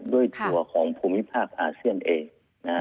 ด้วยตัวของภูมิภาคอาเซียนเอง